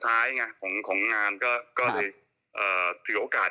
พี่หนุ่ม